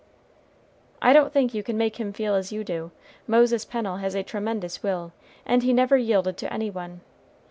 "I don't think you can make him feel as you do. Moses Pennel has a tremendous will, and he never yielded to any one.